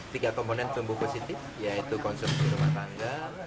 tiga komponen tumbuh positif yaitu konsumsi rumah tangga